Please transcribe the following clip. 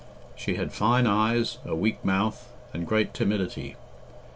She had fine eyes, a weak mouth, and great timidity.